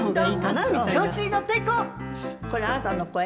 これあなたの声？